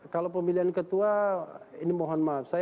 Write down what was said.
kalau pemilihan ketua ini mohon maaf